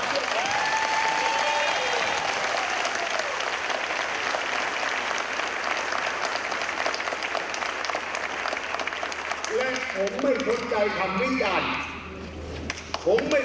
และผมไม่สนใจทำวิญญาณผมไม่สนใจทำภารกิจ